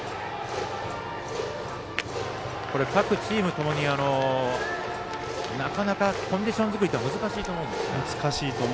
各チームともになかなか、コンディション作りが難しいと思うんですが。